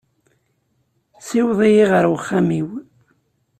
Siweḍ-iyi ɣer uxxam-iw.